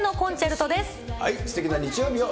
すてきな日曜日を。